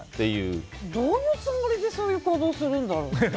どういうつもりでそういう行動するんだろう。